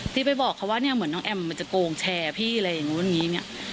ที่ไปบอกเขาว่าเนี่ยเหมือนน้องแอมมันจะโกงแชร์พี่อะไรอย่างนู้นอย่างนี้เนี่ย